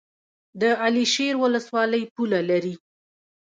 د علي شیر ولسوالۍ پوله لري